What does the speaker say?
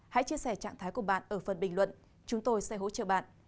hãy chia sẻ trạng thái của bạn ở phần bình luận chúng tôi sẽ hỗ trợ bạn